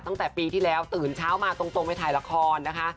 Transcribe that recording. ตั้งแต่ปีที่แล้วตื่นเช้ามาตรงไปถ่ายละครนะคะ